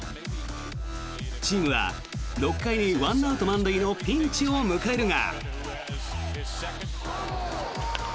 チームは６回に１アウト満塁のピンチを迎えるが。